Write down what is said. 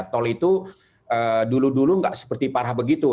tol itu dulu dulu nggak seperti parah begitu